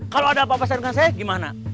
kalau ada apa apa serukan saya gimana